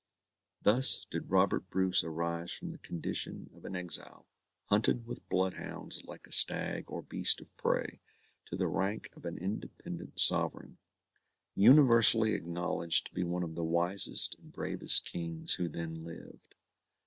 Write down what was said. Thus did Robert Bruce arise from the condition of an exile, hunted with bloodhounds like a stag or beast of prey, to the rank of an independent sovereign, universally acknowledged to be one of the wisest and bravest Kings who then lived.